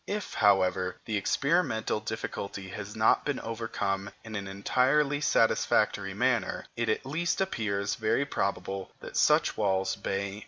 If, however, the experimental difficulty has not been overcome in an entirely satisfactory manner, it at least appears very probable that such walls may nevertheless exist.